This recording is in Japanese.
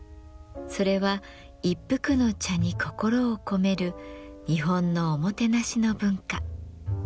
それは一服の茶に心を込める日本のおもてなしの文化。